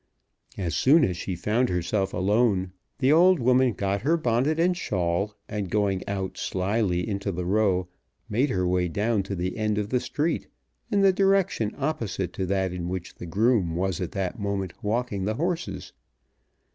As soon as she found herself alone the old woman got her bonnet and shawl, and going out slily into the Row, made her way down to the end of the street in the direction opposite to that in which the groom was at that moment walking the horses.